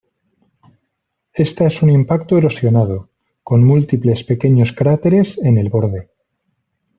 Esta es un impacto erosionado, con múltiples pequeños cráteres en el borde.